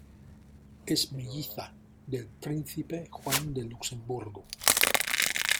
Es melliza del príncipe Juan de Luxemburgo.